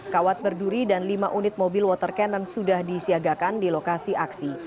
kawat berduri dan lima unit mobil water cannon sudah disiagakan di lokasi aksi